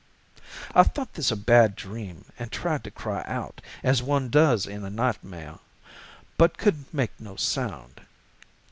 "I thought this a bad dream and tried to cry out, as one does in a nightmare, but could make no sound.